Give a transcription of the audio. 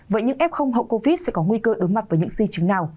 vậy những f hậu covid sẽ có nguy cơ đối mặt với những di chứng nào